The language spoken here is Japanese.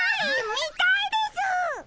みたいです！